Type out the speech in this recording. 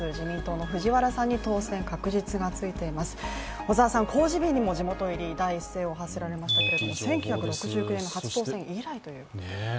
小沢さん、公示日にも地元入り第一声を発せられましたけど１９６９年の初当選以来ということです。